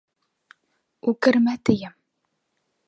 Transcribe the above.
Үкермә, тием!